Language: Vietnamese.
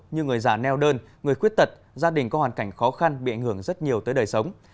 như người già neo đơn người khuyết tật gia đình có hoàn cảnh khó khăn bị ảnh hưởng rất nhiều tới đời sống